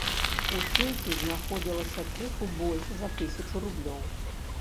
У сейфе знаходзілася крыху больш за тысячу рублёў.